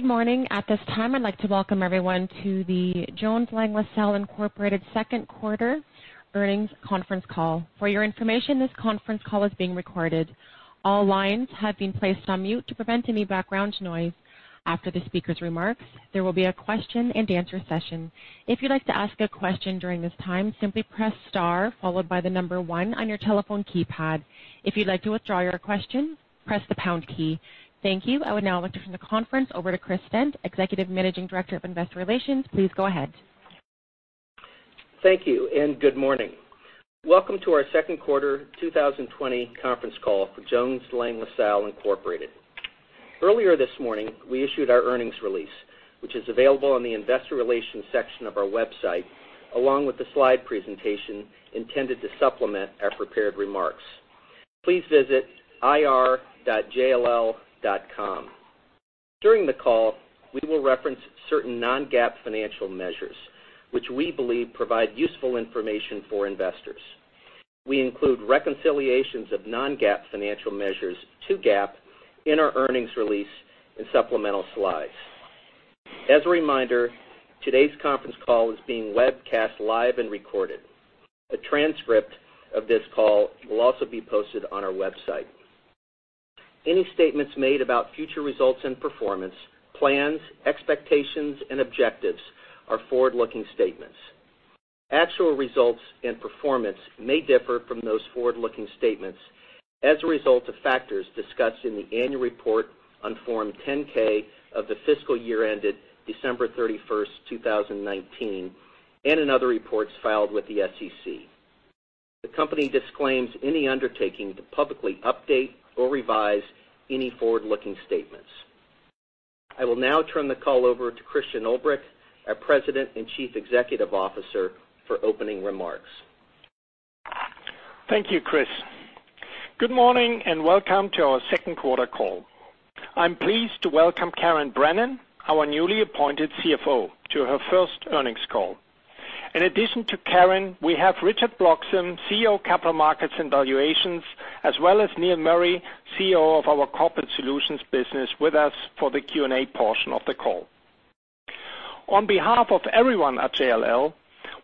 Good morning. At this time, I'd like to welcome everyone to the Jones Lang LaSalle Incorporated second quarter earnings conference call. For your information, this conference call is being recorded. All lines have been placed on mute to prevent any background noise. After the speaker's remarks, there will be a question-and-answer session. If you'd like to ask a question during this time, simply press star followed by the number one on your telephone keypad. If you'd like to withdraw your question, press the pound key. Thank you. I would now like to turn the conference over to Chris Stent, Executive Managing Director of Investor Relations. Please go ahead. Thank you, good morning. Welcome to our second quarter 2020 conference call for Jones Lang LaSalle Incorporated. Earlier this morning, we issued our earnings release, which is available on the investor relations section of our website, along with the slide presentation intended to supplement our prepared remarks. Please visit ir.jll.com. During the call, we will reference certain non-GAAP financial measures, which we believe provide useful information for investors. We include reconciliations of non-GAAP financial measures to GAAP in our earnings release and supplemental slides. As a reminder, today's conference call is being webcast live and recorded. A transcript of this call will also be posted on our website. Any statements made about future results and performance, plans, expectations and objectives are forward-looking statements. Actual results and performance may differ from those forward-looking statements as a result of factors discussed in the annual report on Form 10-K of the fiscal year ended December 31st, 2019, and in other reports filed with the SEC. The company disclaims any undertaking to publicly update or revise any forward-looking statements. I will now turn the call over to Christian Ulbrich, our President and Chief Executive Officer, for opening remarks. Thank you, Chris. Good morning, welcome to our second quarter call. I'm pleased to welcome Karen Brennan, our newly appointed CFO, to her first earnings call. In addition to Karen, we have Richard Bloxam, CEO of Capital Markets and Valuations, as well as Neil Murray, CEO of our Corporate Solutions business, with us for the Q&A portion of the call. On behalf of everyone at JLL,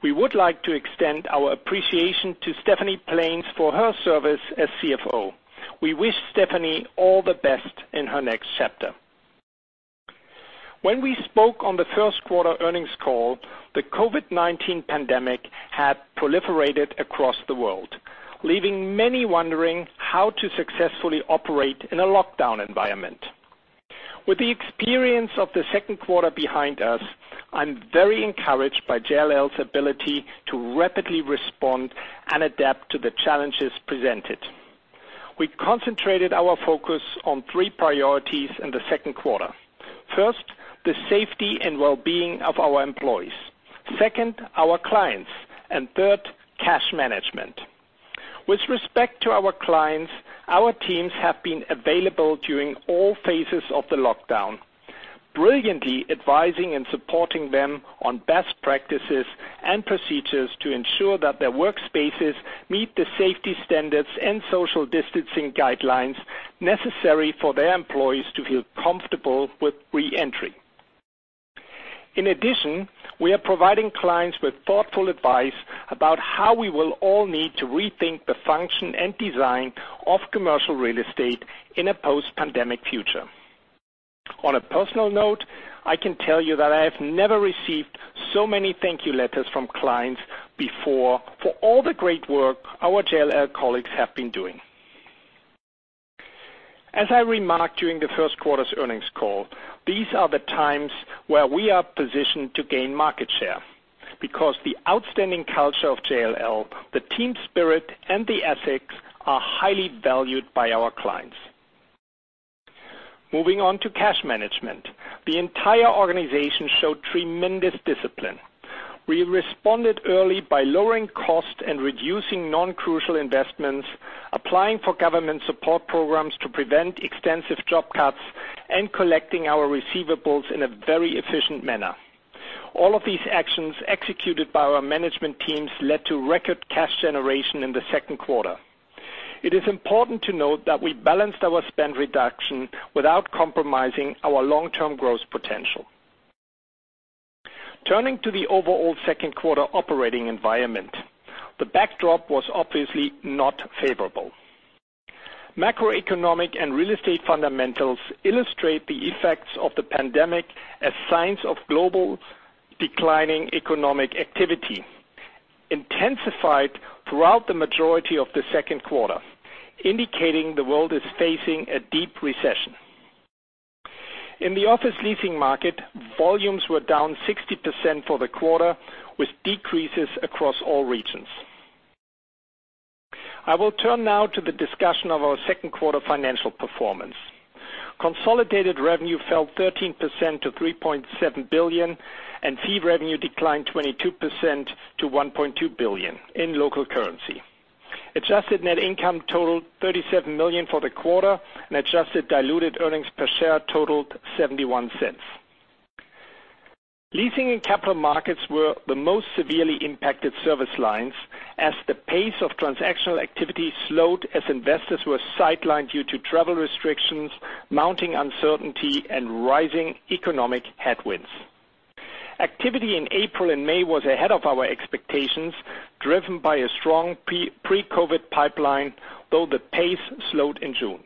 we would like to extend our appreciation to Stephanie Plaines for her service as CFO. We wish Stephanie all the best in her next chapter. When we spoke on the first quarter earnings call, the COVID-19 pandemic had proliferated across the world, leaving many wondering how to successfully operate in a lockdown environment. With the experience of the second quarter behind us, I'm very encouraged by JLL's ability to rapidly respond and adapt to the challenges presented. We concentrated our focus on three priorities in the second quarter. First, the safety and well-being of our employees. Second, our clients, and third, cash management. With respect to our clients, our teams have been available during all phases of the lockdown, brilliantly advising and supporting them on best practices and procedures to ensure that their workspaces meet the safety standards and social distancing guidelines necessary for their employees to feel comfortable with re-entry. In addition, we are providing clients with thoughtful advice about how we will all need to rethink the function and design of commercial real estate in a post-pandemic future. On a personal note, I can tell you that I have never received so many thank you letters from clients before for all the great work our JLL colleagues have been doing. As I remarked during the first quarter's earnings call, these are the times where we are positioned to gain market share because the outstanding culture of JLL, the team spirit, and the ethics are highly valued by our clients. Moving on to cash management. The entire organization showed tremendous discipline. We responded early by lowering cost and reducing non-crucial investments, applying for government support programs to prevent extensive job cuts, and collecting our receivables in a very efficient manner. All of these actions executed by our management teams led to record cash generation in the second quarter. It is important to note that we balanced our spend reduction without compromising our long-term growth potential. Turning to the overall second quarter operating environment, the backdrop was obviously not favorable. Macroeconomic and real estate fundamentals illustrate the effects of the pandemic as signs of global declining economic activity intensified throughout the majority of the second quarter, indicating the world is facing a deep recession. In the office leasing market, volumes were down 60% for the quarter, with decreases across all regions. I will turn now to the discussion of our second quarter financial performance. Consolidated revenue fell 13% to $3.7 billion, and fee revenue declined 22% to $1.2 billion in local currency. Adjusted net income totaled $37 million for the quarter, and adjusted diluted earnings per share totaled $0.71. Leasing and capital markets were the most severely impacted service lines as the pace of transactional activity slowed as investors were sidelined due to travel restrictions, mounting uncertainty, and rising economic headwinds. Activity in April and May was ahead of our expectations, driven by a strong pre-COVID pipeline, though the pace slowed in June.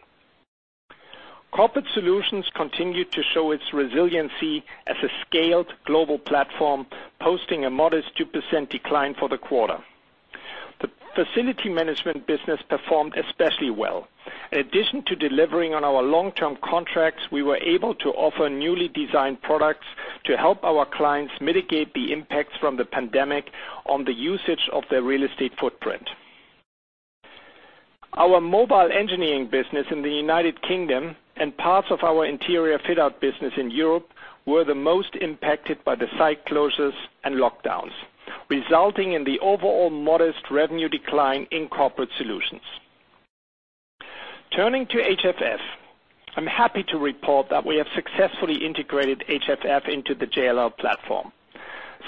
Corporate Solutions continued to show its resiliency as a scaled global platform, posting a modest 2% decline for the quarter. The facility management business performed especially well. In addition to delivering on our long-term contracts, we were able to offer newly designed products to help our clients mitigate the impacts from the pandemic on the usage of their real estate footprint. Our mobile engineering business in the U.K. and parts of our interior fit-out business in Europe were the most impacted by the site closures and lockdowns, resulting in the overall modest revenue decline in Corporate Solutions. Turning to HFF, I'm happy to report that we have successfully integrated HFF into the JLL platform.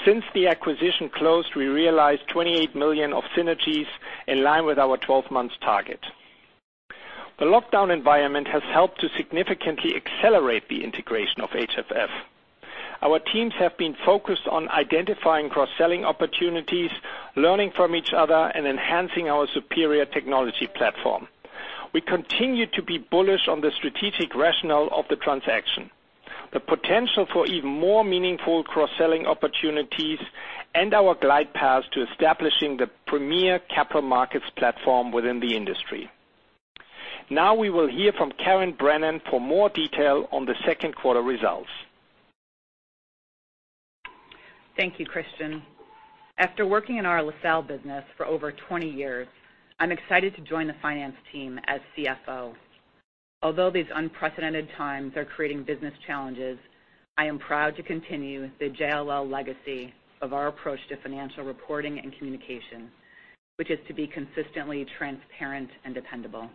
Since the acquisition closed, we realized $28 million of synergies in line with our 12 months target. The lockdown environment has helped to significantly accelerate the integration of HFF. Our teams have been focused on identifying cross-selling opportunities, learning from each other, and enhancing our superior technology platform. We continue to be bullish on the strategic rationale of the transaction, the potential for even more meaningful cross-selling opportunities, and our glide path to establishing the premier capital markets platform within the industry. We will hear from Karen Brennan for more detail on the second quarter results. Thank you, Christian. After working in our LaSalle business for over 20 years, I'm excited to join the finance team as CFO. Although these unprecedented times are creating business challenges, I am proud to continue the JLL legacy of our approach to financial reporting and communication, which is to be consistently transparent and dependable.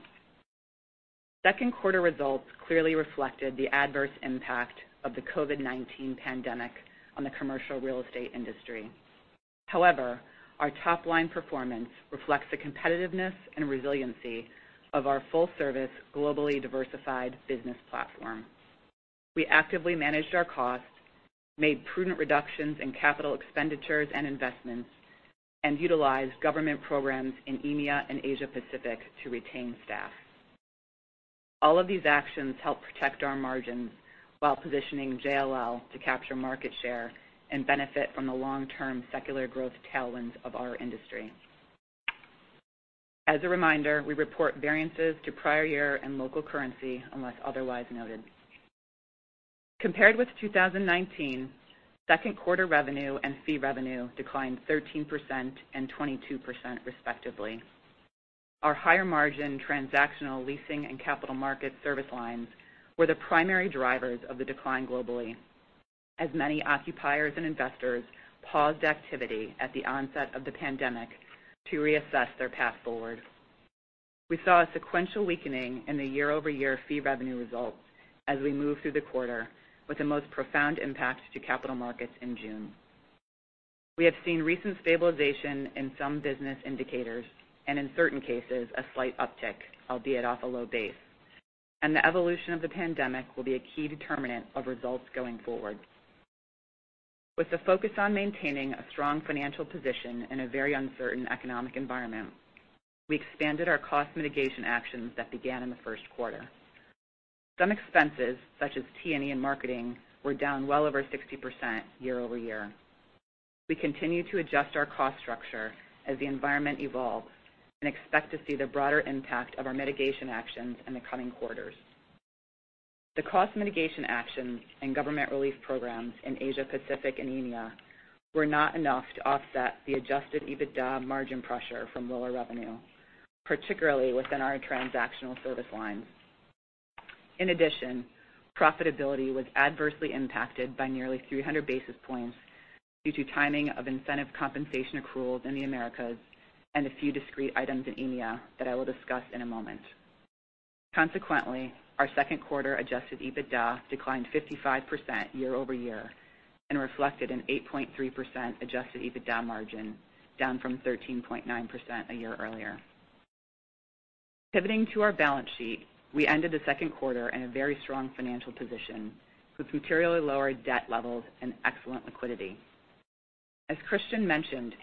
Second quarter results clearly reflected the adverse impact of the COVID-19 pandemic on the commercial real estate industry. However, our top-line performance reflects the competitiveness and resiliency of our full-service, globally diversified business platform. We actively managed our costs, made prudent reductions in capital expenditures and investments, and utilized government programs in EMEA and Asia Pacific to retain staff. All of these actions help protect our margins while positioning JLL to capture market share and benefit from the long-term secular growth tailwinds of our industry. As a reminder, we report variances to prior year and local currency unless otherwise noted. Compared with 2019, second quarter revenue and fee revenue declined 13% and 22% respectively. Our higher margin transactional leasing and capital markets service lines were the primary drivers of the decline globally, as many occupiers and investors paused activity at the onset of the pandemic to reassess their path forward. We saw a sequential weakening in the year-over-year fee revenue results as we moved through the quarter with the most profound impact to capital markets in June. We have seen recent stabilization in some business indicators, and in certain cases, a slight uptick, albeit off a low base, and the evolution of the pandemic will be a key determinant of results going forward. With the focus on maintaining a strong financial position in a very uncertain economic environment, we expanded our cost mitigation actions that began in the first quarter. Some expenses, such as T&E and marketing, were down well over 60% year-over-year. We continue to adjust our cost structure as the environment evolves and expect to see the broader impact of our mitigation actions in the coming quarters. The cost mitigation actions and government relief programs in Asia Pacific and EMEA were not enough to offset the adjusted EBITDA margin pressure from lower revenue, particularly within our transactional service lines. In addition, profitability was adversely impacted by nearly 300 basis points due to timing of incentive compensation accruals in the Americas and a few discrete items in EMEA that I will discuss in a moment. Consequently, our second quarter adjusted EBITDA declined 55% year-over-year and reflected an 8.3% adjusted EBITDA margin, down from 13.9% a year earlier. Pivoting to our balance sheet, we ended the second quarter in a very strong financial position with materially lower debt levels and excellent liquidity. As Christian mentioned,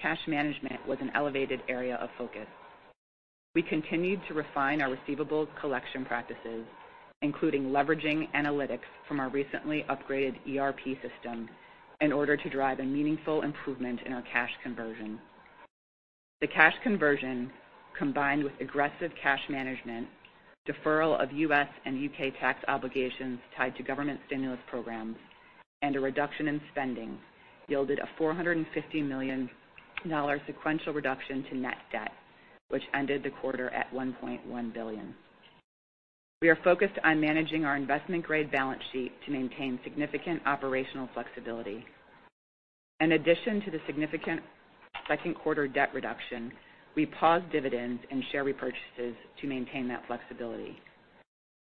cash management was an elevated area of focus. We continued to refine our receivables collection practices, including leveraging analytics from our recently upgraded ERP system in order to drive a meaningful improvement in our cash conversion. The cash conversion, combined with aggressive cash management, deferral of U.S. and U.K. tax obligations tied to government stimulus programs, and a reduction in spending, yielded a $450 million sequential reduction to net debt, which ended the quarter at $1.1 billion. We are focused on managing our investment-grade balance sheet to maintain significant operational flexibility. In addition to the significant second quarter debt reduction, we paused dividends and share repurchases to maintain that flexibility.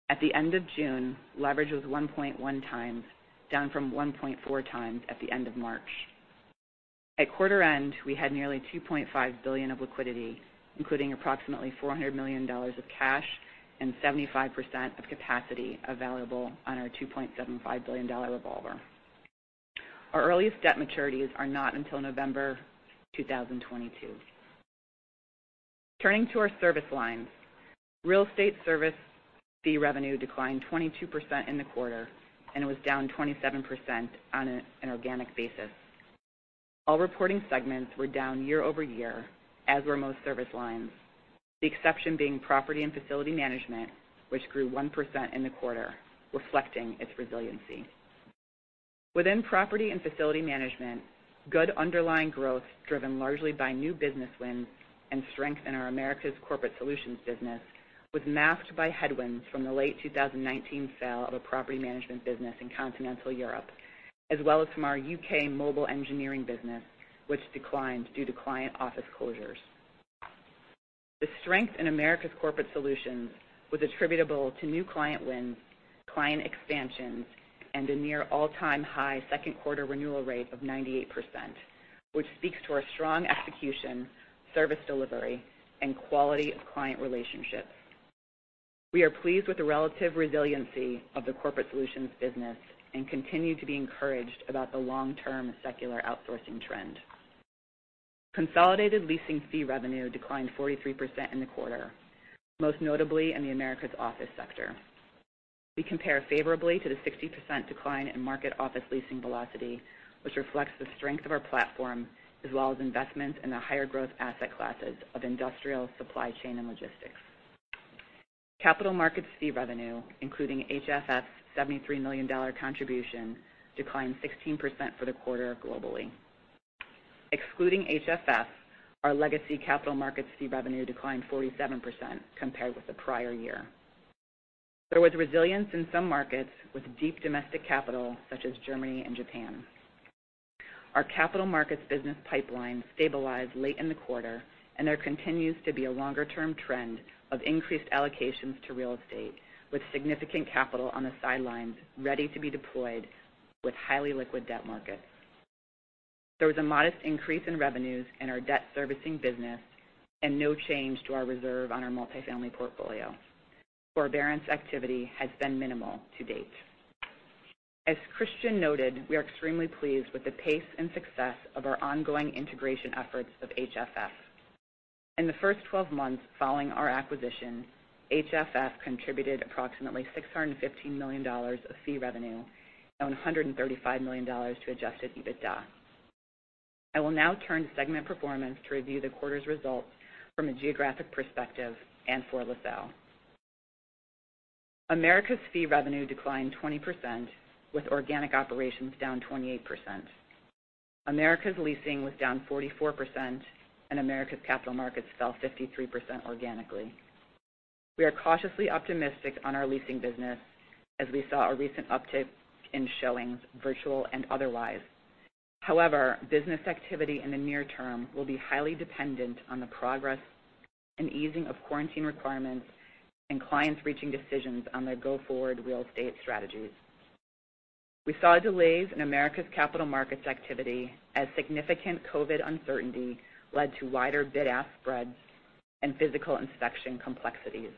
At the end of June, leverage was 1.1 times, down from 1.4 times at the end of March. At quarter end, we had nearly $2.5 billion of liquidity, including approximately $400 million of cash and 75% of capacity available on our $2.75 billion revolver. Our earliest debt maturities are not until November 2022. Turning to our service lines. Real estate service fee revenue declined 22% in the quarter, and it was down 27% on an organic basis. All reporting segments were down year-over-year, as were most service lines, the exception being property and facility management, which grew 1% in the quarter, reflecting its resiliency. Within property and facility management, good underlying growth, driven largely by new business wins and strength in our Americas Corporate Solutions business, was masked by headwinds from the late 2019 sale of a property management business in continental Europe, as well as from our U.K. mobile engineering business, which declined due to client office closures. The strength in Americas Corporate Solutions was attributable to new client wins, client expansions, and a near all-time high second quarter renewal rate of 98%, which speaks to our strong execution, service delivery, and quality of client relationships. We are pleased with the relative resiliency of the Corporate Solutions business and continue to be encouraged about the long-term secular outsourcing trend. Consolidated leasing fee revenue declined 43% in the quarter, most notably in the Americas office sector. We compare favorably to the 60% decline in market office leasing velocity, which reflects the strength of our platform, as well as investments in the higher growth asset classes of industrial supply chain and logistics. capital markets fee revenue, including HFF's $73 million contribution, declined 16% for the quarter globally. Excluding HFF, our legacy capital markets fee revenue declined 47% compared with the prior year. There was resilience in some markets with deep domestic capital, such as Germany and Japan. Our capital markets business pipeline stabilized late in the quarter, and there continues to be a longer-term trend of increased allocations to real estate, with significant capital on the sidelines ready to be deployed with highly liquid debt markets. There was a modest increase in revenues in our debt servicing business and no change to our reserve on our multifamily portfolio. Forbearance activity has been minimal to date. As Christian noted, we are extremely pleased with the pace and success of our ongoing integration efforts of HFF. In the first 12 months following our acquisition, HFF contributed approximately $615 million of fee revenue and $135 million to adjusted EBITDA. I will now turn to segment performance to review the quarter's results from a geographic perspective and for LaSalle. Americas fee revenue declined 20%, with organic operations down 28%. Americas leasing was down 44%, and Americas capital markets fell 53% organically. We are cautiously optimistic on our leasing business as we saw a recent uptick in showings, virtual and otherwise. However, business activity in the near term will be highly dependent on the progress and easing of quarantine requirements and clients reaching decisions on their go-forward real estate strategies. We saw delays in Americas capital markets activity as significant COVID uncertainty led to wider bid-ask spreads and physical inspection complexities.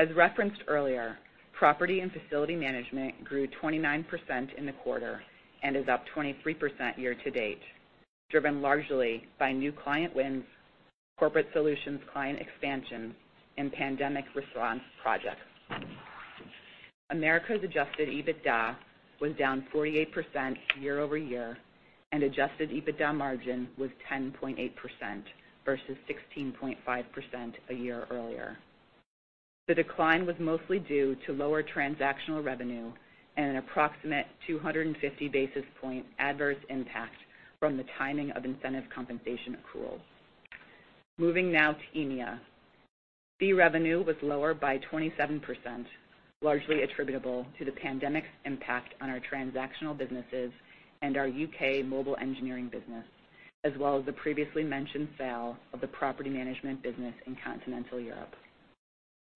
As referenced earlier, property and facility management grew 29% in the quarter and is up 23% year-to-date, driven largely by new client wins, Corporate Solutions client expansion, and pandemic response projects. Americas adjusted EBITDA was down 48% year-over-year, and adjusted EBITDA margin was 10.8% versus 16.5% a year earlier. The decline was mostly due to lower transactional revenue and an approximate 250 basis point adverse impact from the timing of incentive compensation accrual. Moving now to EMEA. Fee revenue was lower by 27%, largely attributable to the pandemic's impact on our transactional businesses and our U.K. mobile engineering business, as well as the previously mentioned sale of the property management business in continental Europe.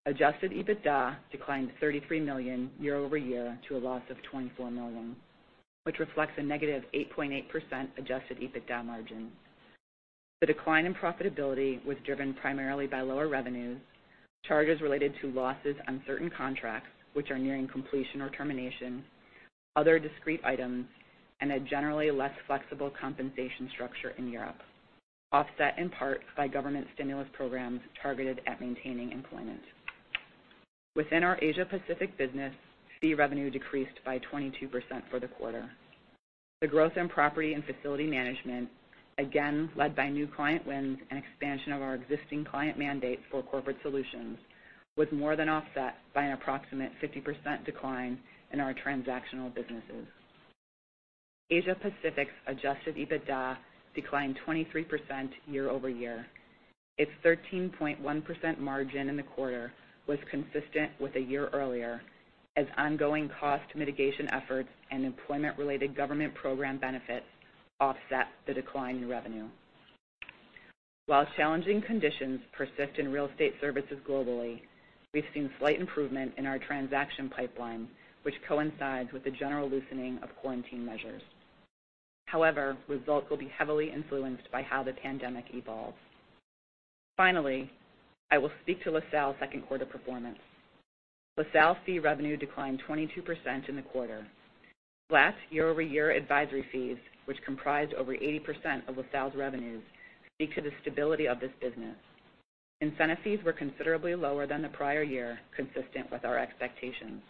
Adjusted EBITDA declined to $33 million year-over-year to a loss of $24 million, which reflects a -8.8% adjusted EBITDA margin. The decline in profitability was driven primarily by lower revenues, charges related to losses on certain contracts which are nearing completion or termination, other discrete items, and a generally less flexible compensation structure in Europe, offset in part by government stimulus programs targeted at maintaining employment. Within our Asia Pacific business, fee revenue decreased by 22% for the quarter. The growth in property and facility management, again led by new client wins and expansion of our existing client mandate for Corporate Solutions, was more than offset by an approximate 50% decline in our transactional businesses. Asia Pacific's adjusted EBITDA declined 23% year-over-year. Its 13.1% margin in the quarter was consistent with a year earlier as ongoing cost mitigation efforts and employment-related government program benefits offset the decline in revenue. Challenging conditions persist in real estate services globally, we've seen slight improvement in our transaction pipeline, which coincides with the general loosening of quarantine measures. Results will be heavily influenced by how the pandemic evolves. I will speak to LaSalle second quarter performance. LaSalle fee revenue declined 22% in the quarter. Flat year-over-year advisory fees, which comprised over 80% of LaSalle's revenues, speak to the stability of this business. Incentive fees were considerably lower than the prior year, consistent with our expectations.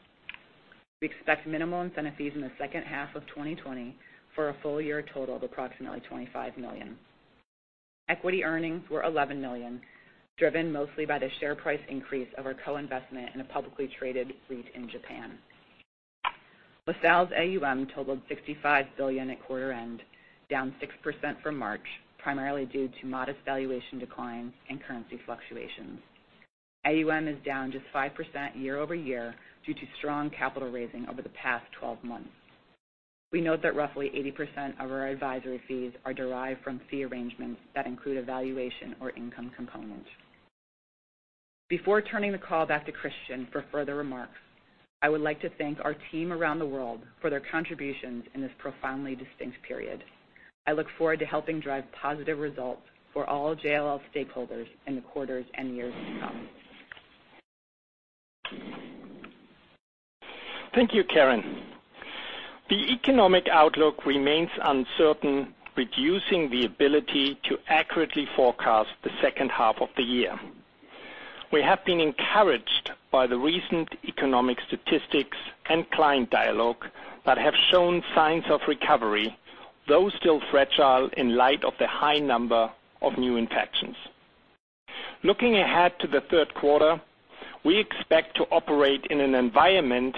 We expect minimal incentive fees in the second half of 2020 for a full year total of approximately $25 million. Equity earnings were $11 million, driven mostly by the share price increase of our co-investment in a publicly traded REIT in Japan. LaSalle's AUM totaled $65 billion at quarter end, down 6% from March, primarily due to modest valuation declines and currency fluctuations. AUM is down just 5% year-over-year due to strong capital raising over the past 12 months. We note that roughly 80% of our advisory fees are derived from fee arrangements that include a valuation or income component. Before turning the call back to Christian for further remarks, I would like to thank our team around the world for their contributions in this profoundly distinct period. I look forward to helping drive positive results for all JLL stakeholders in the quarters and years to come. Thank you, Karen. The economic outlook remains uncertain, reducing the ability to accurately forecast the second half of the year. We have been encouraged by the recent economic statistics and client dialogue that have shown signs of recovery, though still fragile in light of the high number of new infections. Looking ahead to the third quarter, we expect to operate in an environment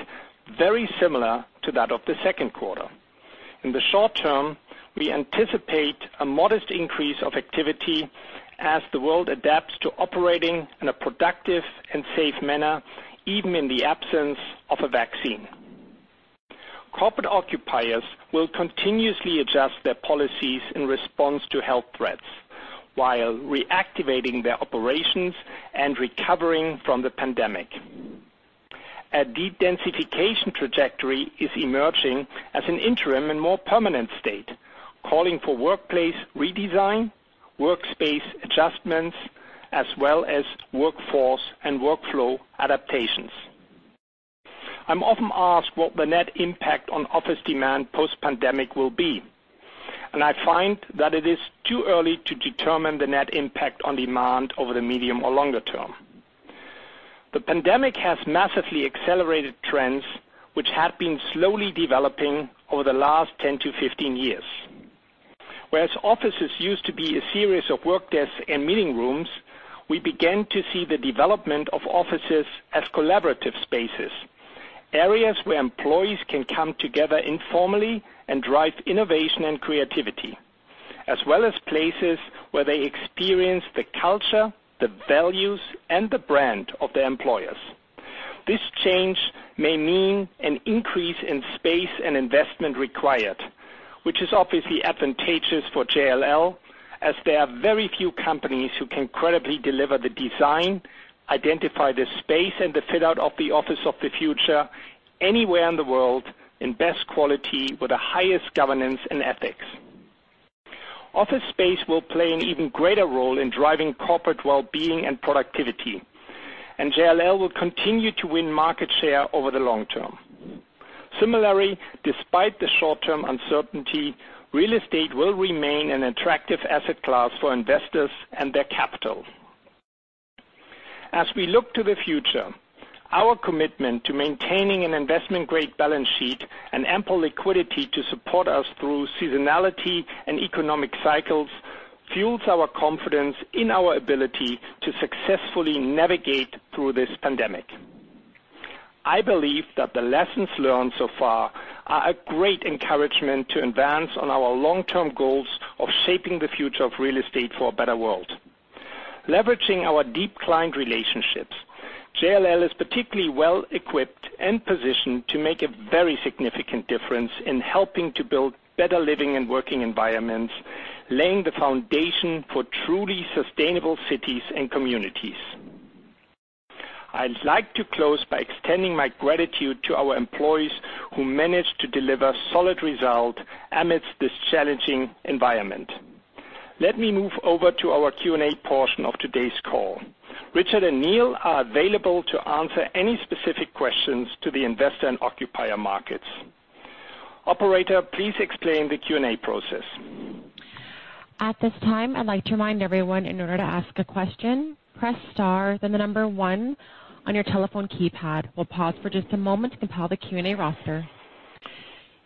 very similar to that of the second quarter. In the short term, we anticipate a modest increase of activity as the world adapts to operating in a productive and safe manner, even in the absence of a vaccine. Corporate occupiers will continuously adjust their policies in response to health threats while reactivating their operations and recovering from the pandemic. A de-densification trajectory is emerging as an interim and more permanent state, calling for workplace redesign, workspace adjustments, as well as workforce and workflow adaptations. I'm often asked what the net impact on office demand post-pandemic will be, and I find that it is too early to determine the net impact on demand over the medium or longer term. The pandemic has massively accelerated trends which had been slowly developing over the last 10-15 years. Whereas offices used to be a series of work desks and meeting rooms, we began to see the development of offices as collaborative spaces, areas where employees can come together informally and drive innovation and creativity, as well as places where they experience the culture, the values, and the brand of their employers. This change may mean an increase in space and investment required, which is obviously advantageous for JLL as there are very few companies who can credibly deliver the design, identify the space, and the fit out of the office of the future anywhere in the world in best quality with the highest governance and ethics. Office space will play an even greater role in driving corporate wellbeing and productivity, and JLL will continue to win market share over the long term. Similarly, despite the short-term uncertainty, real estate will remain an attractive asset class for investors and their capital. As we look to the future, our commitment to maintaining an investment-grade balance sheet and ample liquidity to support us through seasonality and economic cycles fuels our confidence in our ability to successfully navigate through this pandemic. I believe that the lessons learned so far are a great encouragement to advance on our long-term goals of shaping the future of real estate for a better world. Leveraging our deep client relationships, JLL is particularly well equipped and positioned to make a very significant difference in helping to build better living and working environments, laying the foundation for truly sustainable cities and communities. I'd like to close by extending my gratitude to our employees, who managed to deliver solid result amidst this challenging environment. Let me move over to our Q&A portion of today's call. Richard and Neil are available to answer any specific questions to the investor and occupier markets. Operator, please explain the Q&A process. At this time, I'd like to remind everyone, in order to ask a question, press star, then the number one on your telephone keypad. We'll pause for just a moment to compile the Q&A roster.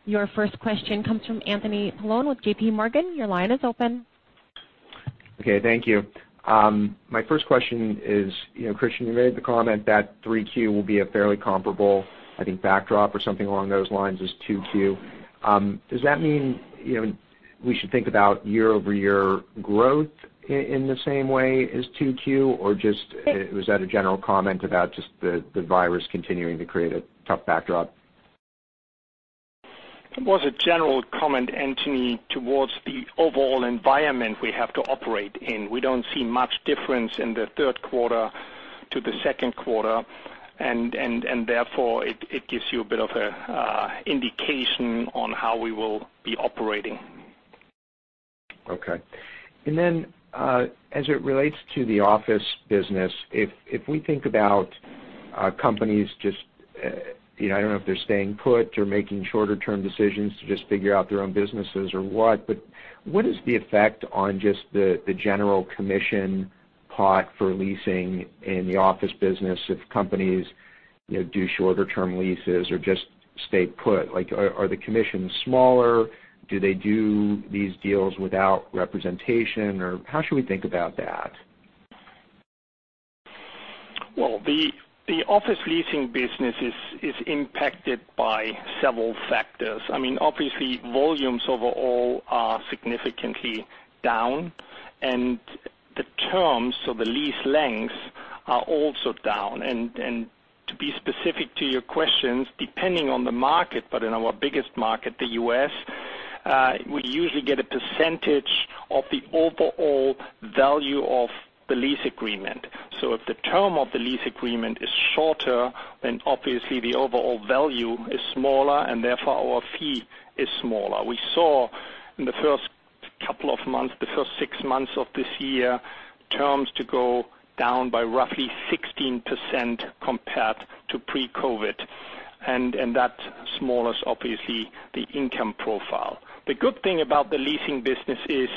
Your first question comes from Anthony Paolone with JPMorgan. Your line is open. Okay. Thank you. My first question is, Christian, you made the comment that 3Q will be a fairly comparable, I think, backdrop or something along those lines as 2Q. Does that mean we should think about year-over-year growth in the same way as 2Q, or was that a general comment about just the virus continuing to create a tough backdrop? It was a general comment, Anthony, towards the overall environment we have to operate in. We don't see much difference in the third quarter to the second quarter. Therefore it gives you a bit of an indication on how we will be operating. Okay. Then, as it relates to the office business, if we think about companies just, I don't know if they're staying put or making shorter term decisions to just figure out their own businesses or what is the effect on just the general commission pot for leasing in the office business if companies do shorter term leases or just stay put? Are the commissions smaller? Do they do these deals without representation, or how should we think about that? Well, the office leasing business is impacted by several factors. Obviously, volumes overall are significantly down, and the terms of the lease lengths are also down. To be specific to your questions, depending on the market, but in our biggest market, the U.S., we usually get a percentage of the overall value of the lease agreement. If the term of the lease agreement is shorter, then obviously the overall value is smaller, and therefore our fee is smaller. We saw in the first six months of this year terms to go down by roughly 16% compared to pre-COVID, that small is obviously the income profile. The good thing about the leasing business is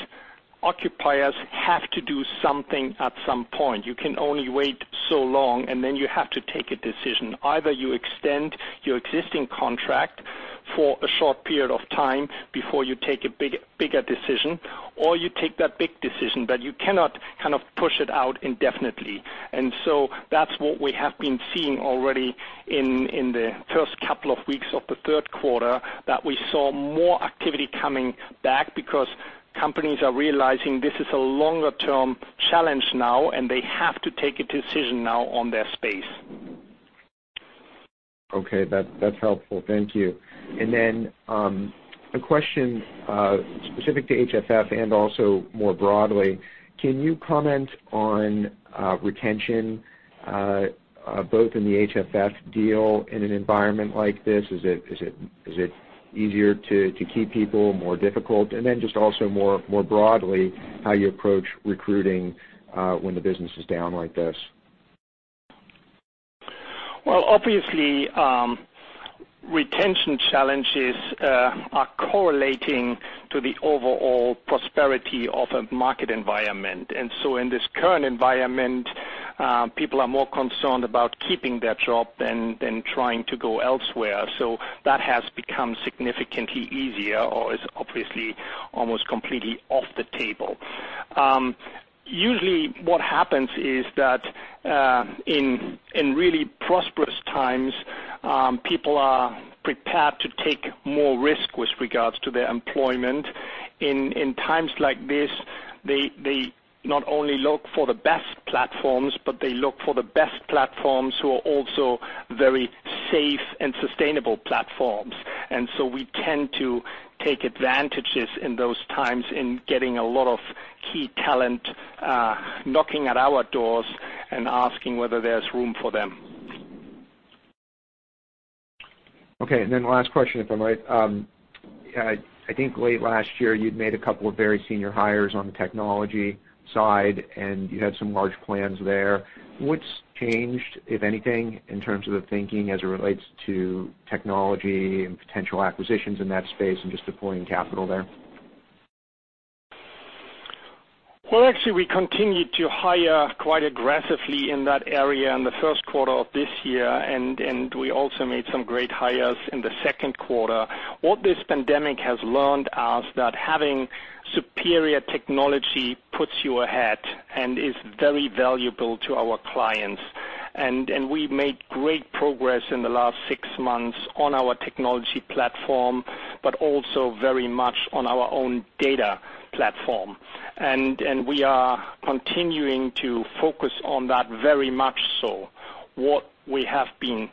occupiers have to do something at some point. You can only wait so long and then you have to take a decision. Either you extend your existing contract for a short period of time before you take a bigger decision, or you take that big decision, but you cannot kind of push it out indefinitely. That's what we have been seeing already in the first couple of weeks of the third quarter, that we saw more activity coming back because companies are realizing this is a longer-term challenge now, and they have to take a decision now on their space. Okay. That's helpful. Thank you. Then, a question specific to HFF and also more broadly. Can you comment on retention both in the HFF deal in an environment like this? Is it easier to keep people, more difficult? Then just also more broadly, how you approach recruiting when the business is down like this. Well, obviously, retention challenges are correlating to the overall prosperity of a market environment. In this current environment, people are more concerned about keeping their job than trying to go elsewhere. That has become significantly easier, or is obviously almost completely off the table. Usually what happens is that in really prosperous times, people are prepared to take more risk with regards to their employment. In times like this, they not only look for the best platforms, but they look for the best platforms who are also very safe and sustainable platforms. We tend to take advantages in those times in getting a lot of key talent knocking at our doors and asking whether there's room for them. Okay, last question, if I might. I think late last year you'd made a couple of very senior hires on the technology side, and you had some large plans there. What's changed, if anything, in terms of the thinking as it relates to technology and potential acquisitions in that space and just deploying capital there? Well, actually, we continued to hire quite aggressively in that area in the first quarter of this year, and we also made some great hires in the second quarter. What this pandemic has learned us that having superior technology puts you ahead and is very valuable to our clients. We made great progress in the last six months on our technology platform, but also very much on our own data platform. We are continuing to focus on that very much so. What we have been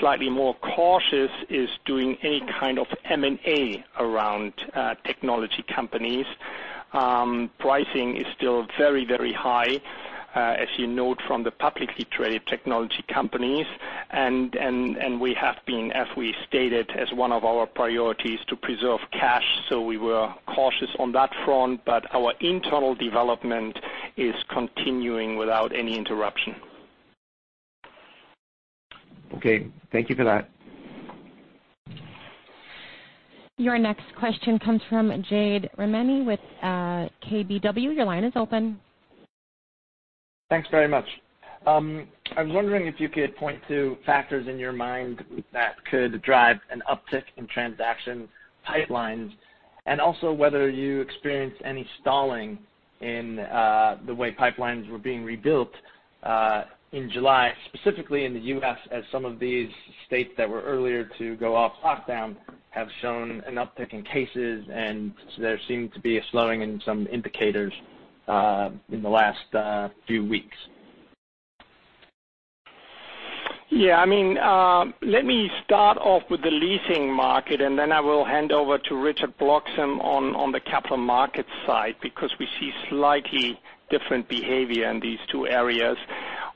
slightly more cautious is doing any kind of M&A around technology companies. Pricing is still very, very high, as you note from the publicly traded technology companies. We have been, as we stated, as one of our priorities to preserve cash, so we were cautious on that front. Our internal development is continuing without any interruption. Okay. Thank you for that. Your next question comes from Jade Rahmani with KBW. Your line is open. Thanks very much. I was wondering if you could point to factors in your mind that could drive an uptick in transaction pipelines, and also whether you experienced any stalling in the way pipelines were being rebuilt in July, specifically in the U.S., as some of these states that were earlier to go off lockdown have shown an uptick in cases, and there seemed to be a slowing in some indicators in the last few weeks. Let me start off with the leasing market, and then I will hand over to Richard Bloxam on the capital markets side, because we see slightly different behavior in these two areas.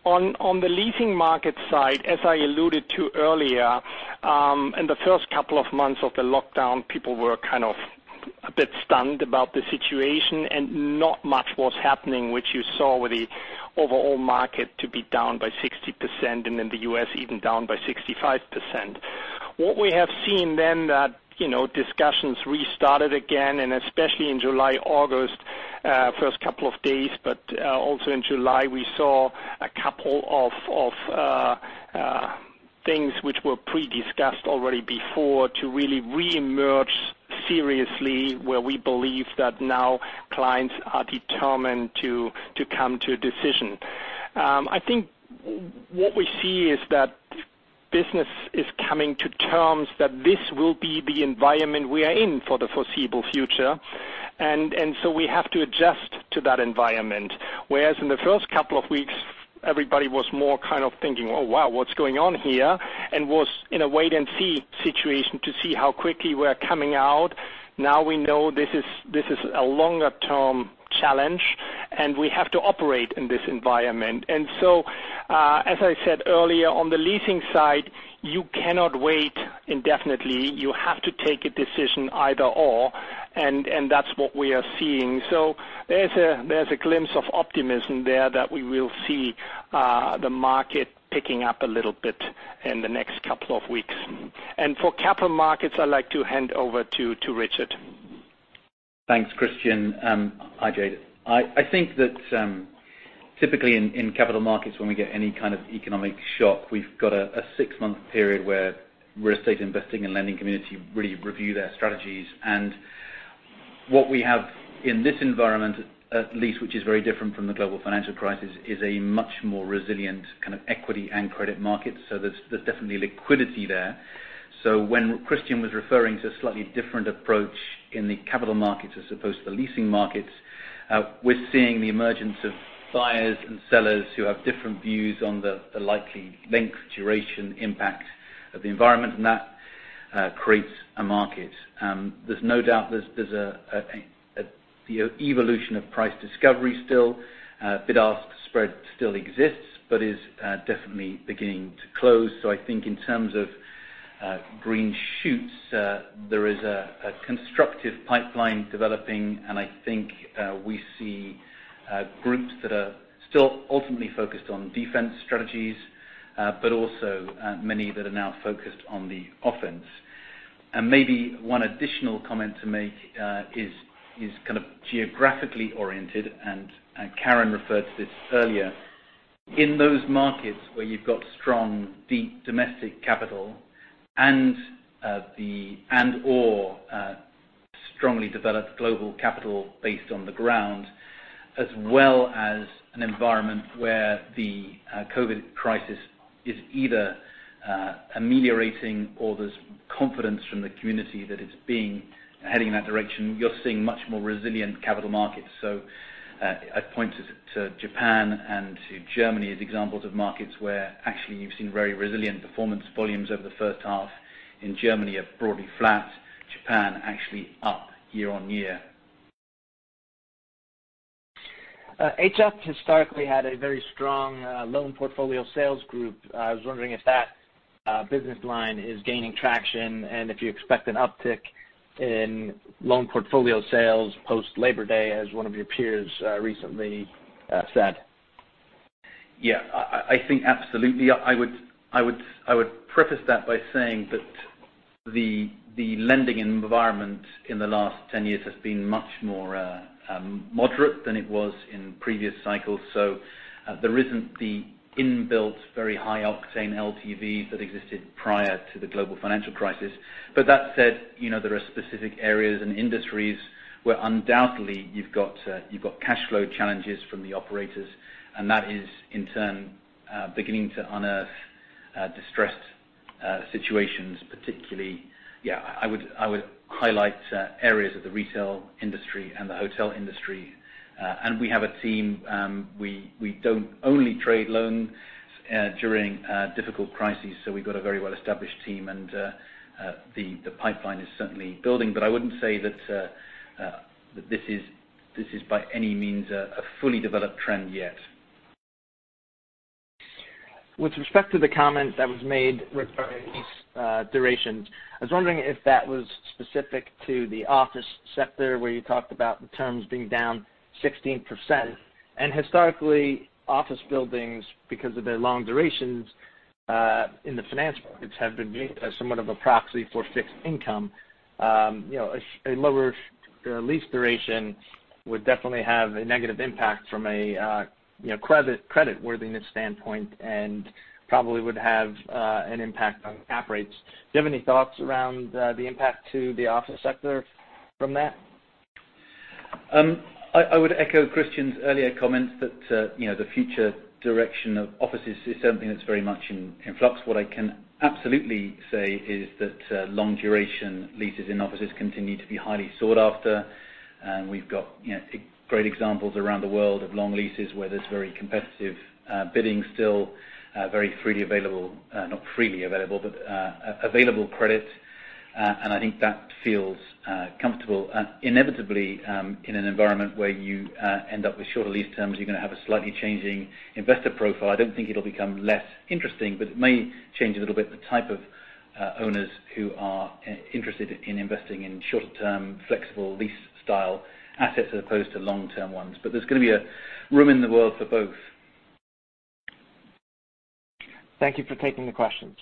On the leasing market side, as I alluded to earlier, in the first couple of months of the lockdown, people were kind of a bit stunned about the situation and not much was happening, which you saw with the overall market to be down by 60%. In the U.S., even down by 65%. What we have seen then, that discussions restarted again, and especially in July, August, first couple of days, but also in July, we saw a couple of things which were pre-discussed already before to really reemerge seriously, where we believe that now clients are determined to come to a decision. I think what we see is that business is coming to terms that this will be the environment we are in for the foreseeable future. We have to adjust to that environment. Whereas in the first couple of weeks, everybody was more thinking, Oh, wow, what's going on here? And was in a wait-and-see situation to see how quickly we're coming out. Now we know this is a longer-term challenge, and we have to operate in this environment. As I said earlier, on the leasing side, you cannot wait indefinitely. You have to take a decision either/or, and that's what we are seeing. There's a glimpse of optimism there that we will see the market picking up a little bit in the next couple of weeks. For capital markets, I'd like to hand over to Richard. Thanks, Christian. Hi, Jade. I think that typically in capital markets, when we get any kind of economic shock, we've got a six-month period where real estate investing and lending community really review their strategies. What we have in this environment, at least, which is very different from the global financial crisis, is a much more resilient equity and credit market. There's definitely liquidity there. When Christian was referring to a slightly different approach in the capital markets as opposed to the leasing markets, we're seeing the emergence of buyers and sellers who have different views on the likely length, duration, impact of the environment, and that creates a market. There's no doubt there's an evolution of price discovery still. Bid-ask spread still exists but is definitely beginning to close. I think in terms of green shoots, there is a constructive pipeline developing, I think we see groups that are still ultimately focused on defense strategies, also many that are now focused on the offense. Maybe one additional comment to make is geographically oriented, Karen referred to this earlier. In those markets where you've got strong, deep domestic capital and/or strongly developed global capital based on the ground, as well as an environment where the COVID crisis is either ameliorating or there's confidence from the community that it's heading in that direction, you're seeing much more resilient capital markets. I'd point to Japan and to Germany as examples of markets where actually you've seen very resilient performance volumes over the first half. In Germany are broadly flat. Japan actually up year-on-year. HF historically had a very strong loan portfolio sales group. I was wondering if that business line is gaining traction and if you expect an uptick in loan portfolio sales post Labor Day as one of your peers recently said. Yeah. I think absolutely. I would preface that by saying that the lending environment in the last 10 years has been much more moderate than it was in previous cycles. There isn't the inbuilt, very high-octane LTV that existed prior to the global financial crisis. That said, there are specific areas and industries where undoubtedly you've got cash flow challenges from the operators, and that is, in turn, beginning to unearth distressed situations, particularly. Yeah, I would highlight areas of the retail industry and the hotel industry. We have a team. We don't only trade loans during difficult crises. We've got a very well-established team and the pipeline is certainly building. I wouldn't say that this is by any means a fully developed trend yet. With respect to the comment that was made regarding lease durations, I was wondering if that was specific to the office sector where you talked about the terms being down 16%. Historically, office buildings, because of their long durations in the finance markets have been viewed as somewhat of a proxy for fixed income. A lower lease duration would definitely have a negative impact from a credit worthiness standpoint and probably would have an impact on cap rates. Do you have any thoughts around the impact to the office sector from that? I would echo Christian's earlier comments that the future direction of offices is something that's very much in flux. What I can absolutely say is that long duration leases in offices continue to be highly sought after, and we've got great examples around the world of long leases where there's very competitive bidding still, very freely available, not freely available, but available credit. I think that feels comfortable. Inevitably, in an environment where you end up with shorter lease terms, you're going to have a slightly changing investor profile. I don't think it'll become less interesting, but it may change a little bit the type of owners who are interested in investing in shorter term, flexible lease style assets as opposed to long-term ones. There's going to be room in the world for both. Thank you for taking the questions.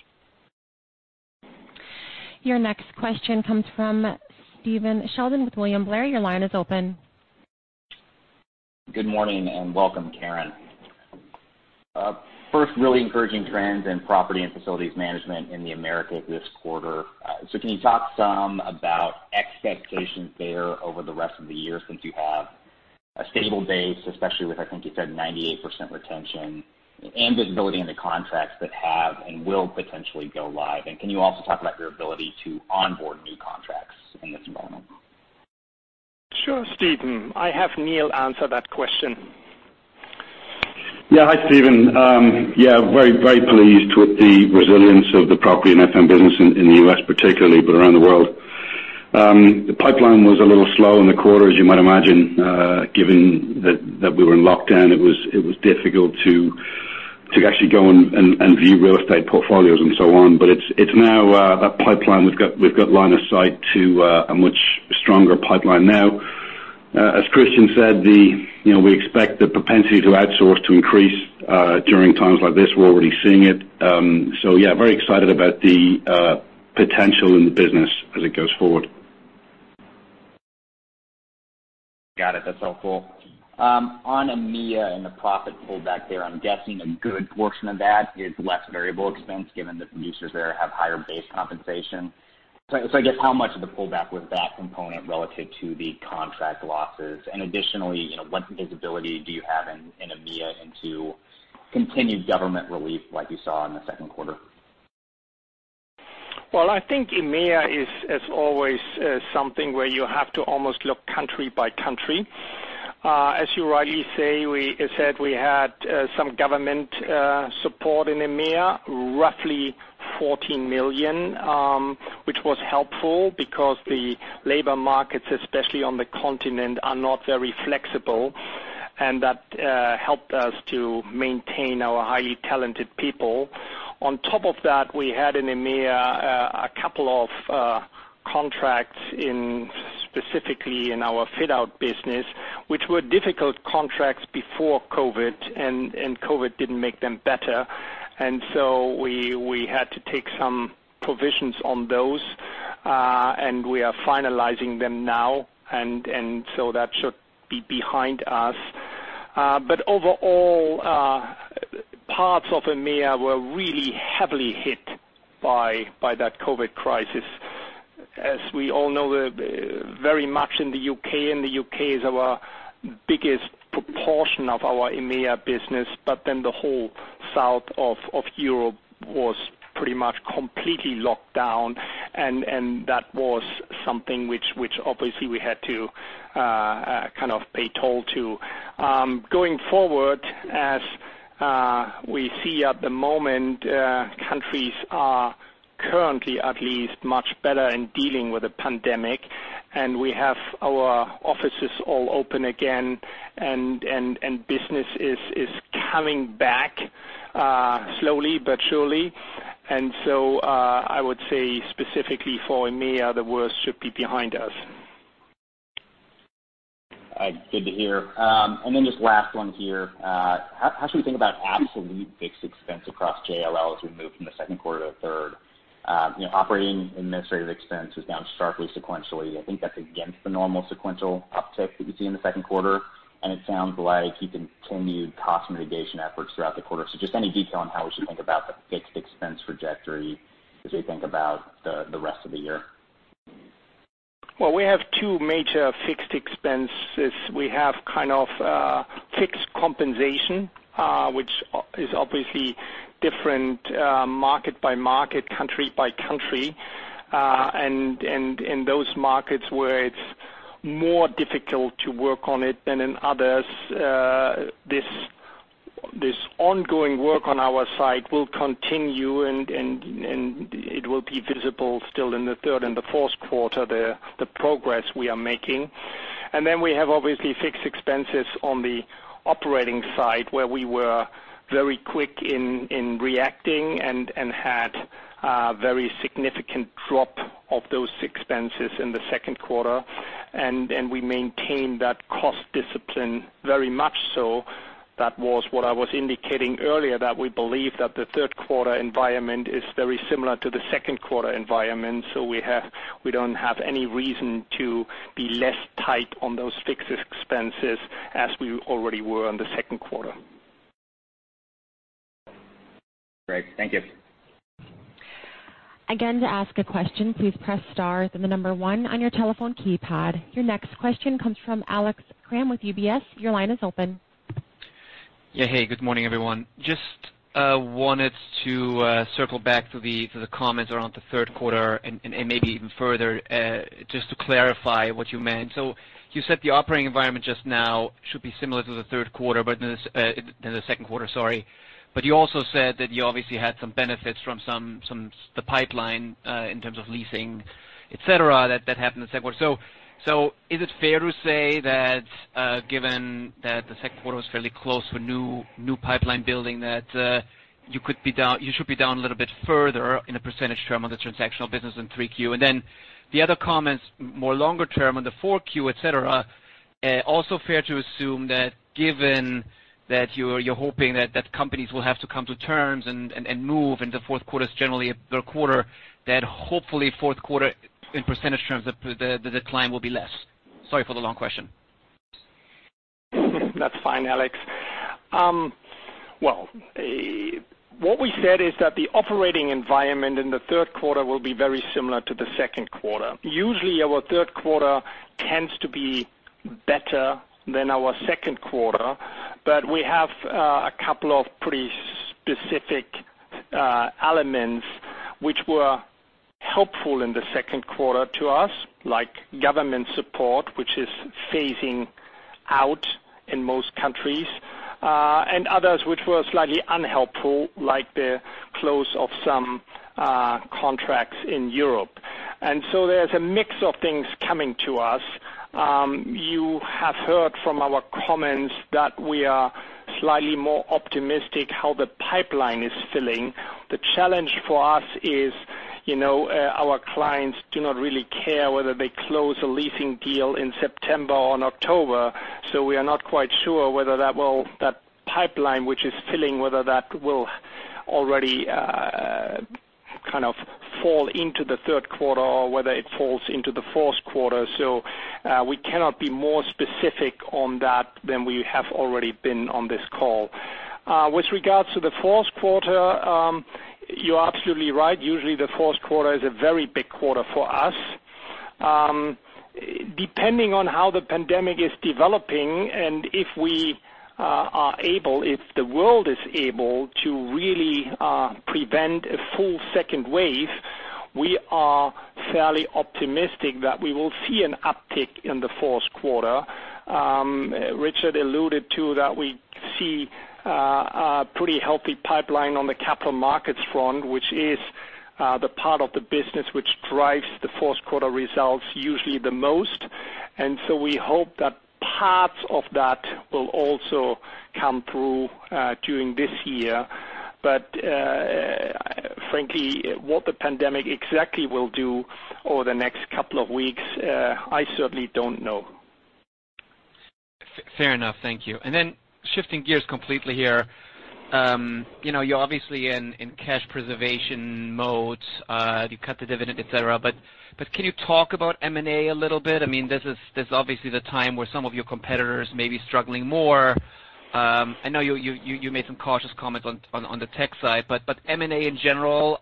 Your next question comes from Stephen Sheldon with William Blair. Your line is open. Good morning and welcome, Karen. First, really encouraging trends in property and facilities management in the Americas this quarter. Can you talk some about expectations there over the rest of the year since you have a stable base, especially with, I think you said 98% retention and visibility into contracts that have and will potentially go live? Can you also talk about your ability to onboard new contracts in this environment? Sure, Stephen. I'll have Neil answer that question. Hi, Stephen. Very pleased with the resilience of the property and FM business in the U.S. particularly, but around the world. The pipeline was a little slow in the quarter, as you might imagine, given that we were in lockdown, it was difficult to actually go and view real estate portfolios and so on. It's now a pipeline we've got line of sight to a much stronger pipeline now. As Christian said, we expect the propensity to outsource to increase during times like this. We're already seeing it. Yeah, very excited about the potential in the business as it goes forward. Got it. That's helpful. On EMEA and the profit pullback there, I'm guessing a good portion of that is less variable expense given that producers there have higher base compensation. I guess how much of the pullback was that component relative to the contract losses? Additionally, what visibility do you have in EMEA into continued government relief like you saw in the second quarter? Well, I think EMEA is as always something where you have to almost look country by country. As you rightly said, we had some government support in EMEA, roughly $14 million, which was helpful because the labor markets, especially on the continent, are not very flexible, and that helped us to maintain our highly talented people. On top of that, we had in EMEA, a couple of contracts specifically in our fit out business, which were difficult contracts before COVID, and COVID didn't make them better. We had to take some provisions on those, and we are finalizing them now, and so that should be behind us. Overall, parts of EMEA were really heavily hit by that COVID crisis. As we all know, very much in the U.K., and the U.K. is our biggest proportion of our EMEA business. The whole south of Europe was pretty much completely locked down, and that was something which obviously we had to pay toll to. Going forward, as we see at the moment, countries are currently at least much better in dealing with the pandemic, and we have our offices all open again, and business is coming back slowly but surely. I would say specifically for EMEA, the worst should be behind us. Good to hear. Then just last one here. How should we think about absolute fixed expense across JLL as we move from the second quarter to the third? Operating administrative expense was down sharply sequentially. I think that's against the normal sequential uptick that you see in the second quarter. It sounds like you continued cost mitigation efforts throughout the quarter. Just any detail on how we should think about the fixed expense trajectory as we think about the rest of the year. Well, we have two major fixed expenses. We have fixed compensation, which is obviously different market by market, country by country. In those markets where it's more difficult to work on it than in others, this ongoing work on our side will continue, and it will be visible still in the third and the fourth quarter, the progress we are making. Then we have obviously fixed expenses on the operating side, where we were very quick in reacting and had a very significant drop of those expenses in the second quarter. We maintained that cost discipline very much so. That was what I was indicating earlier, that we believe that the third quarter environment is very similar to the second quarter environment. We don't have any reason to be less tight on those fixed expenses as we already were on the second quarter. Great. Thank you. Your next question comes from Alex Kramm with UBS. Yeah. Hey, good morning, everyone. Just wanted to circle back to the comments around the third quarter and maybe even further, just to clarify what you meant. You said the operating environment just now should be similar to the second quarter. You also said that you obviously had some benefits from the pipeline, in terms of leasing, et cetera, that happened in the second quarter. Is it fair to say that, given that the second quarter was fairly close with new pipeline building, that you should be down a little bit further in a percentage term on the transactional business in Q3? The other comments, more longer term on the Q4, et cetera, also fair to assume that given that you're hoping that companies will have to come to terms and move, and the fourth quarter is generally a better quarter, that hopefully fourth quarter, in percentage terms, the decline will be less? Sorry for the long question. That's fine, Alex. Well, what we said is that the operating environment in the third quarter will be very similar to the second quarter. Usually, our third quarter tends to be better than our second quarter, but we have a couple of pretty specific elements which were helpful in the second quarter to us, like government support, which is phasing out in most countries, and others which were slightly unhelpful, like the close of some contracts in Europe. There's a mix of things coming to us. You have heard from our comments that we are slightly more optimistic how the pipeline is filling. The challenge for us is our clients do not really care whether they close a leasing deal in September or in October. We are not quite sure whether that pipeline, which is filling, whether that will already kind of fall into the third quarter or whether it falls into the fourth quarter. We cannot be more specific on that than we have already been on this call. With regards to the fourth quarter, you're absolutely right. Usually, the fourth quarter is a very big quarter for us. Depending on how the pandemic is developing, and if we are able, if the world is able to really prevent a full second wave, we are fairly optimistic that we will see an uptick in the fourth quarter. Richard alluded to that we see a pretty healthy pipeline on the capital markets front, which is the part of the business which drives the fourth quarter results usually the most. We hope that parts of that will also come through during this year. Frankly, what the pandemic exactly will do over the next couple of weeks, I certainly don't know. Fair enough. Thank you. Shifting gears completely here. You're obviously in cash preservation mode. You cut the dividend, et cetera. Can you talk about M&A a little bit? This is obviously the time where some of your competitors may be struggling more. I know you made some cautious comments on the tech side. M&A in general,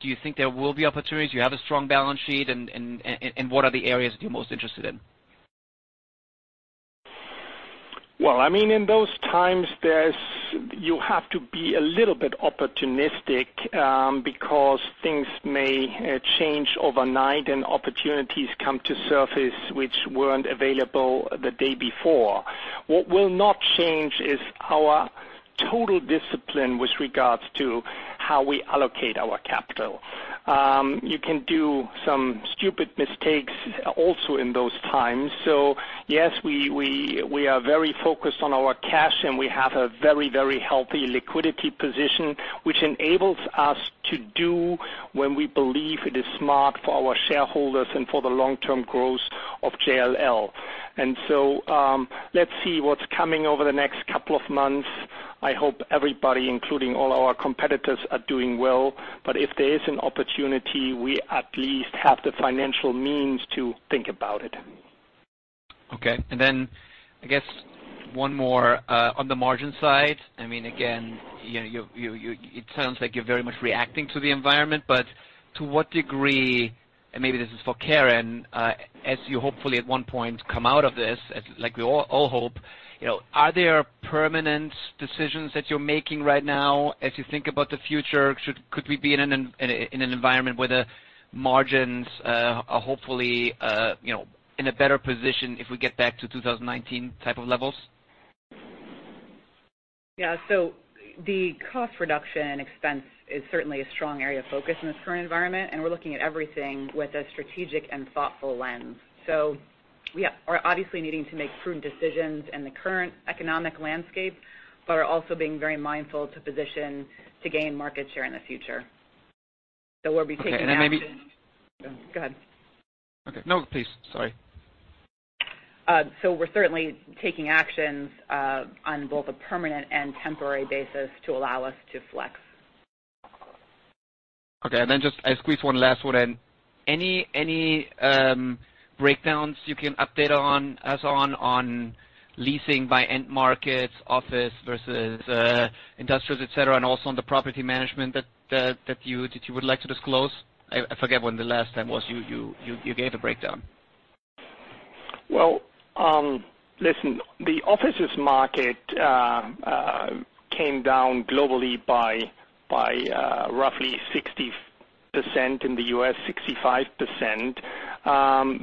do you think there will be opportunities? You have a strong balance sheet, and what are the areas that you're most interested in? Well, in those times, you have to be a little bit opportunistic, because things may change overnight and opportunities come to surface which weren't available the day before. What will not change is our total discipline with regards to how we allocate our capital. You can do some stupid mistakes also in those times. Yes, we are very focused on our cash, and we have a very healthy liquidity position, which enables us to do when we believe it is smart for our shareholders and for the long-term growth of JLL. Let's see what's coming over the next couple of months. I hope everybody, including all our competitors, are doing well. If there is an opportunity, we at least have the financial means to think about it. Okay. I guess one more, on the margin side. Again, it sounds like you're very much reacting to the environment, but to what degree, and maybe this is for Karen, as you hopefully at one point come out of this, as like we all hope, are there permanent decisions that you're making right now as you think about the future? Could we be in an environment where the margins are hopefully in a better position if we get back to 2019 type of levels? Yeah. The cost reduction expense is certainly a strong area of focus in this current environment, and we're looking at everything with a strategic and thoughtful lens. We are obviously needing to make prudent decisions in the current economic landscape, but are also being very mindful to position to gain market share in the future. We'll be taking action. Okay. Go ahead. Okay. No, please. Sorry. We're certainly taking actions on both a permanent and temporary basis to allow us to flex. Okay. Just, I squeeze one last one in. Any breakdowns you can update us on leasing by end markets, office versus industrials, et cetera, and also on the property management that you would like to disclose? I forget when the last time was you gave the breakdown. Listen, the offices market came down globally by roughly 60%, in the U.S., 65%.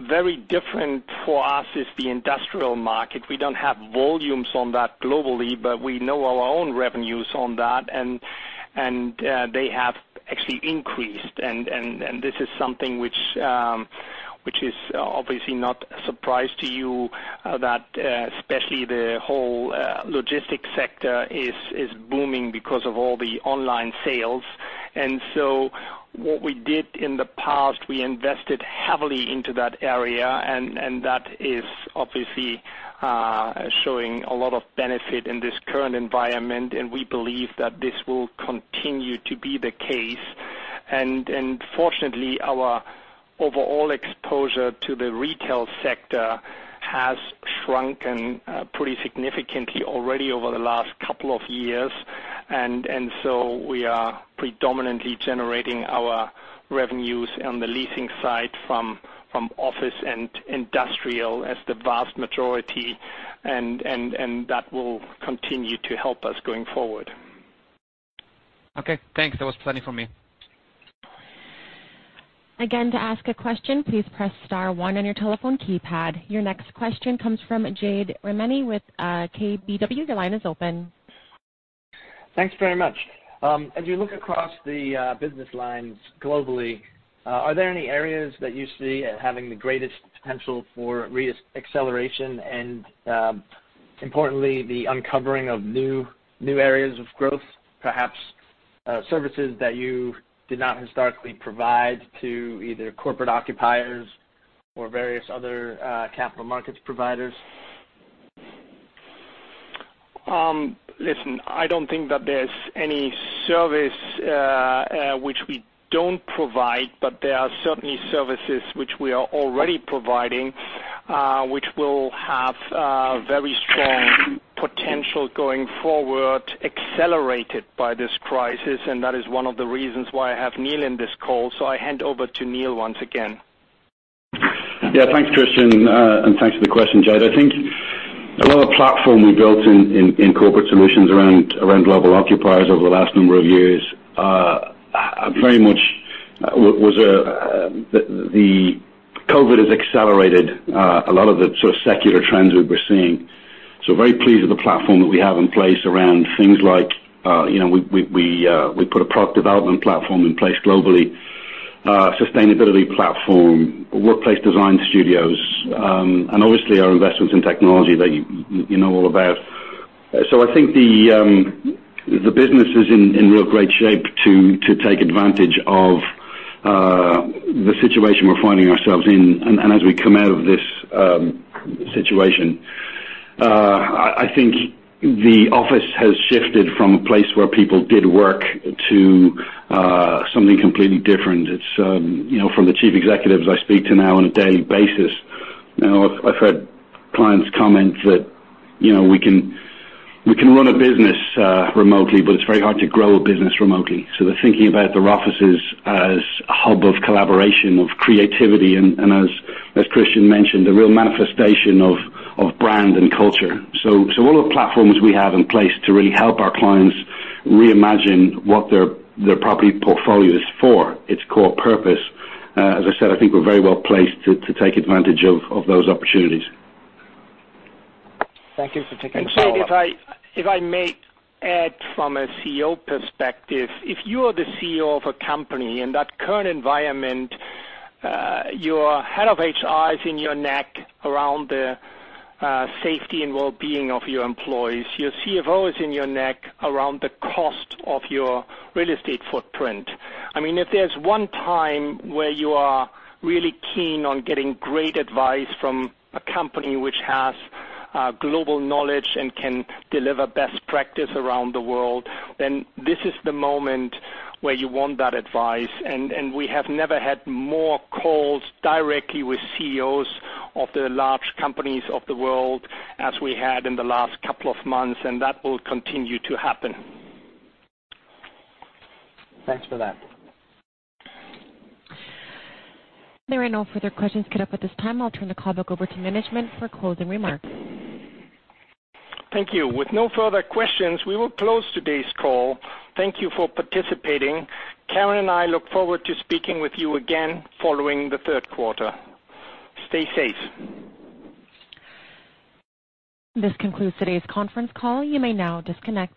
Very different for us is the industrial market. We don't have volumes on that globally, but we know our own revenues on that, and they have actually increased. This is something which is obviously not a surprise to you, that especially the whole logistics sector is booming because of all the online sales. What we did in the past, we invested heavily into that area, and that is obviously showing a lot of benefit in this current environment, and we believe that this will continue to be the case. Fortunately, our overall exposure to the retail sector has shrunken pretty significantly already over the last couple of years. We are predominantly generating our revenues on the leasing side from office and industrial as the vast majority, and that will continue to help us going forward. Okay, thanks. That was plenty for me. Your next question comes from Jade Rahmani with KBW. Thanks very much. As you look across the business lines globally, are there any areas that you see having the greatest potential for re-acceleration and, importantly, the uncovering of new areas of growth, perhaps services that you did not historically provide to either corporate occupiers or various other capital markets providers? Listen, I don't think that there's any service which we don't provide, but there are certainly services which we are already providing, which will have very strong potential going forward, accelerated by this crisis. That is one of the reasons why I have Neil in this call. I hand over to Neil once again. Yeah. Thanks, Christian. Thanks for the question, Jade. I think a lot of platform we built in Corporate Solutions around global occupiers over the last number of years. The COVID has accelerated a lot of the sort of secular trends we've been seeing. Very pleased with the platform that we have in place around things like, we put a product development platform in place globally, sustainability platform, workplace design studios, and obviously our investments in technology that you know all about. I think the business is in real great shape to take advantage of the situation we're finding ourselves in. As we come out of this situation, I think the office has shifted from a place where people did work to something completely different. From the chief executives I speak to now on a daily basis, I've heard clients comment that we can run a business remotely, but it's very hard to grow a business remotely. They're thinking about their offices as a hub of collaboration, of creativity, and as Christian mentioned, a real manifestation of brand and culture. All the platforms we have in place to really help our clients reimagine what their property portfolio is for, its core purpose. As I said, I think we're very well placed to take advantage of those opportunities. Thank you for taking the call. Jade, if I may add from a CEO perspective, if you are the CEO of a company, in that current environment, your head of HR is in your neck around the safety and wellbeing of your employees. Your CFO is in your neck around the cost of your real estate footprint. If there's one time where you are really keen on getting great advice from a company which has global knowledge and can deliver best practice around the world, then this is the moment where you want that advice. We have never had more calls directly with CEOs of the large companies of the world as we had in the last couple of months, and that will continue to happen. Thanks for that. There are no further questions queued up at this time. I'll turn the call back over to management for closing remarks. Thank you. With no further questions, we will close today's call. Thank you for participating. Karen and I look forward to speaking with you again following the third quarter. Stay safe. This concludes today's conference call. You may now disconnect.